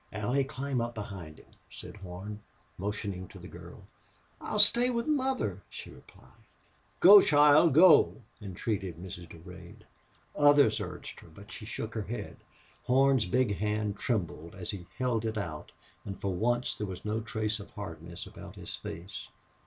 "Allie, climb up behind him," said Horn, motioning to the girl. "I'll stay with mother," she replied. "Go child go!" entreated Mrs. Durade. Others urged her, but she shook her head. Horn's big hand trembled as he held it out, and for once there was no trace of hardness about his face.